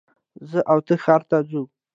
زه او ته ښار ته ځو